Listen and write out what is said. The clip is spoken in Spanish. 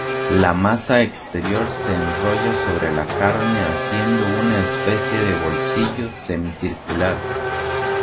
La masa exterior se enrolla sobre la carne haciendo una especie de "bolsillo" semi-circular.